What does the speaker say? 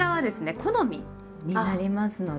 好みになりますので。